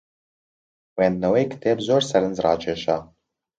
خوێندنەوەی کتێب زۆر سەرنجڕاکێشە.